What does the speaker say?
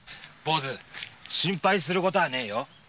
心配することはねえよ。